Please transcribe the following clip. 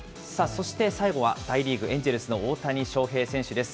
そして、最後は大リーグ・エンジェルスの大谷翔平選手です。